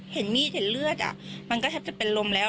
เห็นมีดเห็นเลือดมันก็แทบจะเป็นลมแล้ว